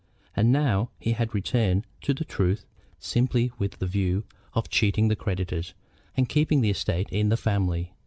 And now he had returned to the truth simply with the view of cheating the creditors and keeping the estate in the family.